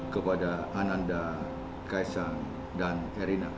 kepada ananda kaisang dan erina